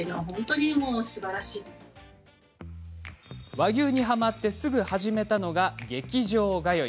和牛に、はまってすぐ始めたのが劇場通い。